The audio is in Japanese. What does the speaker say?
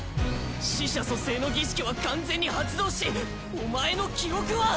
死者蘇生の儀式は完全に発動しお前の記憶は。